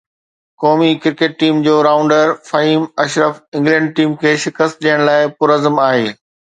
قومي cricket team جو rounder Faheem Ashraf England team کي شڪست ڏيڻ لاءِ پرعزم آهي